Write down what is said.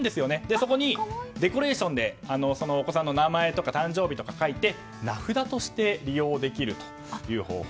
そこにデコレーションでお子さんの名前とか誕生日とかを書いて名札として利用できるという方法。